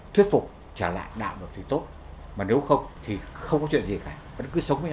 từ nhỏ đến đứa